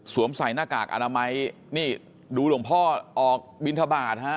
ใส่หน้ากากอนามัยนี่ดูหลวงพ่อออกบินทบาทฮะ